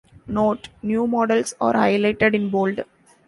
Note: New models are highlighted in bold.